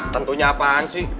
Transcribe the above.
tentunya apaan sih